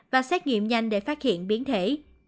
và xét nghiệm nhanh để phát hiện biến thể